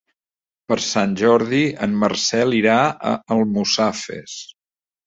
Per Sant Jordi en Marcel irà a Almussafes.